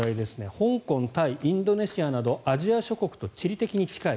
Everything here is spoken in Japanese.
香港、タイ、インドネシアなどアジア諸国と地理的に近い。